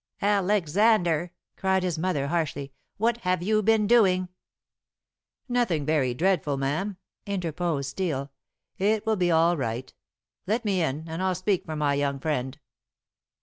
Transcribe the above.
"Alexander," cried his mother harshly, "what have you been doing?" "Nothing very dreadful, ma'am," interposed Steel. "It will be all right. Let me in, and I'll speak for my young friend."